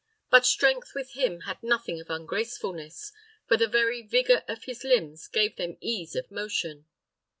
But strength with him had nothing of ungracefulness, for the very vigour of his limbs gave them ease of motion.